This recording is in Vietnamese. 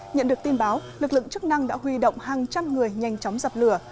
nhận được tin báo lực lượng chức năng đã huy động hàng trăm người nhanh chóng dập lửa